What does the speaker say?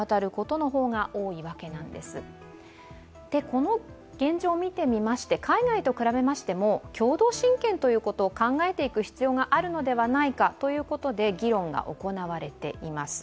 この現状を見てみまして、海外と比べましても共同親権ということを考えていく必要があるのではないかということで議論が行われています。